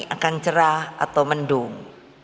akan cerah atau mendung